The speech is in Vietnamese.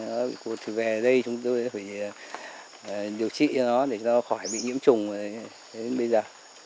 nó bị cụt thì về đây chúng tôi phải điều trị cho nó để cho nó khỏi bị nhiễm trùng đến bây giờ